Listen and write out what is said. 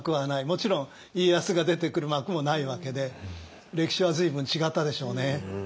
もちろん家康が出てくる幕もないわけで歴史は随分違ったでしょうね。